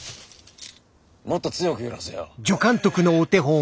もっと強く揺らせよ。